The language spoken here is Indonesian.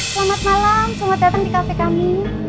selamat malam selamat datang di kafe kami